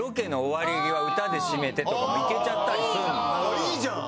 いいじゃん！